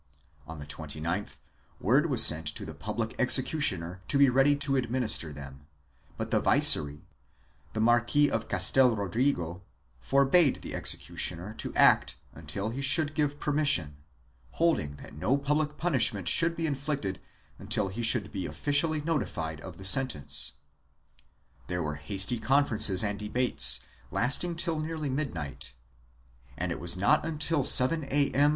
On the 29th word was sent to the public executioner to be ready to administer them, but the Viceroy, the Marquis of Castel Rodrigo, forbade the executioner to act until he should give permission, holding that no public punishment should be inflicted until he should be officially noti fied of the sentence. There were hasty conferences and debates, lasting to nearly midnight, and it was not until 7 A.M.